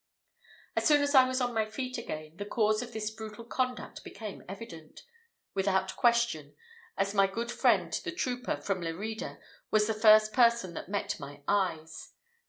As soon as I was on my feet again, the cause of this brutal conduct became evident, without question, as my good friend, the trooper, from Lerida, was the first person that met my eyes.